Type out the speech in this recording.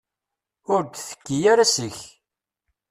Ur d-tekki ara seg-k.